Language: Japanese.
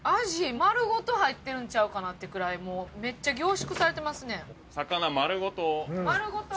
鯵まるごと入ってるんちゃうかなっていうくらいもうめっちゃ凝縮されてますね。